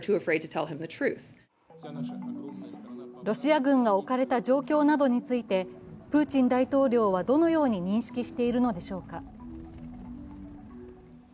ロシア軍が置かれた状況などについて、プーチン大統領はどのように認識しているのでしょうか。